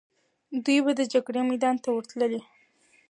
دوی به د جګړې میدان ته ورتللې.